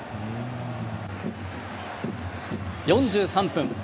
４３分。